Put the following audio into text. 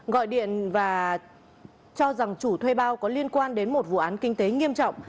gọi điện và cho rằng chủ thuê bao có liên quan đến một vụ án kinh tế nghiêm trọng